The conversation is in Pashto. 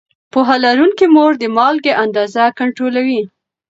پوهه لرونکې مور د مالګې اندازه کنټرولوي.